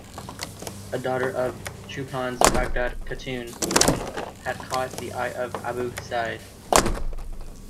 A daughter of Chupan's, Baghdad Katun, had caught the eye of Abu Sa'id.